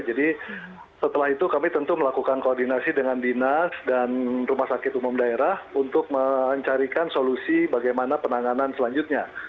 jadi setelah itu kami tentu melakukan koordinasi dengan dinas dan rumah sakit umum daerah untuk mencarikan solusi bagaimana penanganan selanjutnya